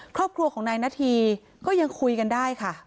ครอบครัวของนายนาธีก็ยังคุยกันได้ค่ะ